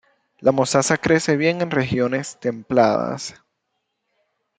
La mostaza crece bien en regiones templadas.